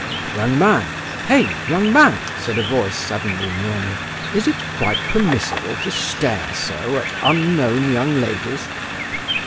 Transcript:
"Young man, hey, young man," said a voice suddenly near me: "is it quite permissible to stare so at unknown young ladies?"